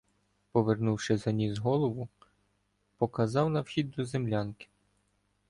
Повернувши за ніс голову, показав на вхід до землянки: